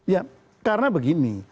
ya karena begini